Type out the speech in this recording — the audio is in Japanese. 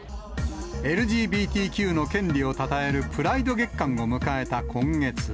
ＬＧＢＴＱの権利をたたえるプライド月間を迎えた今月。